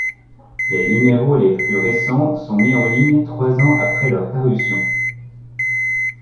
Les numéros les plus récents sont mis en ligne trois ans après leur parution.